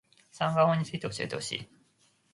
サンガ―法について教えてほしい